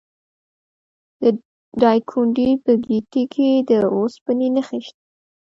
د دایکنډي په ګیتي کې د وسپنې نښې شته.